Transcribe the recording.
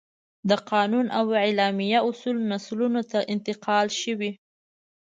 د قانون او اعلامیه اصول نسلونو ته انتقال شوي.